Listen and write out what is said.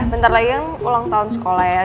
bentar lagi kan ulang tahun sekolah ya